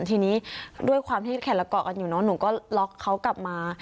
ทีนี้ด้วยความที่แขนละเกาะกันอยู่เนอะหนูก็ล็อกเขากลับมา